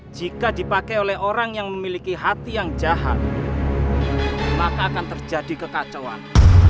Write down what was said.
jika dipakai oleh orang yang memiliki hati yang jahat maka akan terjadi kekacauan